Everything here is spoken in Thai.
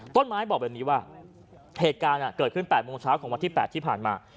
ต้นไม้บอกแบบนี้ว่าเหตุการณ์เกิดขึ้น๘โมงเช้าของวันที่๘ที่ผ่านมา